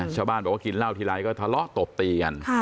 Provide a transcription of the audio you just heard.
ชาวบ้านบอกว่ากินเหล้าทีไรก็ทะเลาะตบตีกัน